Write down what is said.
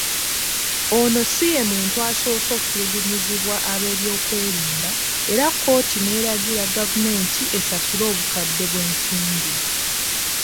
Ono siye muntu asoose okutulugunyizibwa ab'ebyokwerinda era kkooti n'eragira gavumenti esasule obukadde bw'ensimbi.